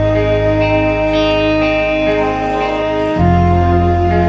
สวัสดีครับ